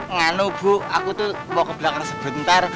nganu bu aku tuh mau ke belakang sebentar